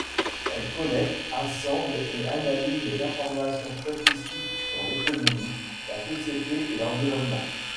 Elle collecte, assemble et analyse les informations statistiques sur l'économie, la société et l'environnement.